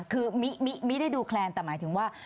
คือไม่ได้ดูแคลนแต่หมายถึงว่า